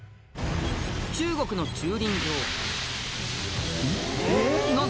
中国の駐輪場ん？